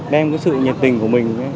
đem cái sự nhiệt tình của mình